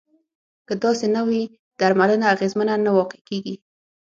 که داسې نه وي درملنه اغیزمنه نه واقع کیږي.